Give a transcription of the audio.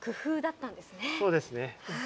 そうですね。